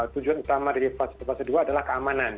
tujuan utama dari fase fase dua adalah keamanan